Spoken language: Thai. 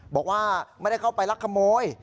บอกว่าไม่ได้เข้าไปลักขโมย